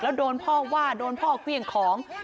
แล้วโดนพ่อว่าโดนพ่อเครื่องของ